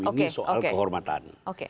ini soal kehormatan